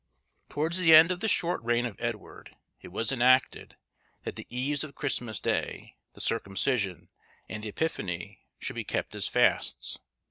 Towards the end of the short reign of Edward, it was enacted, that the Eves of Christmas Day, the Circumcision, and the Epiphany, should be kept as fasts.